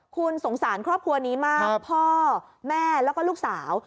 คุณสงสารครอบครัวนี้มากพ่อแม่แล้วก็ลูกสาว